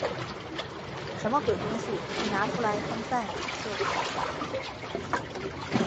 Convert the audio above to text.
什么鬼东西？一拿出来风扇就散了。